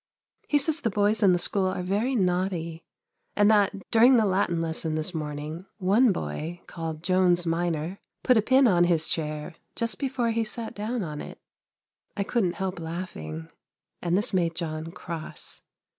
He says the boys in the school are very naughty and that, during the Latin lesson this morning, one boy, called Jones minor, put a pin on his chair, just before he sat down on it. I couldn't help laughing; and this made John cross.